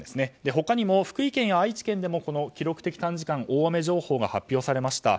他にも福井県や愛知県でも記録的短時間大雨情報が発表されました。